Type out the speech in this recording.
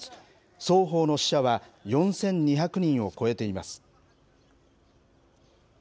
双方の死者は４２００人を超えています。